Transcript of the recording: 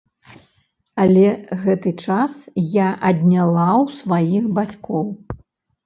Але гэты час я адняла ў сваіх бацькоў.